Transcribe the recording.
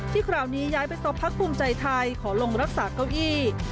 คราวนี้ย้ายไปซบพักภูมิใจไทยขอลงรักษาเก้าอี้